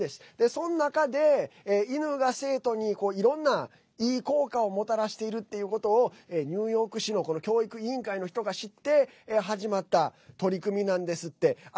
その中で犬が生徒にいろんな、いい効果をもたらしているということをニューヨーク市の教育委員会の人が知って始まった取り組みなんですって。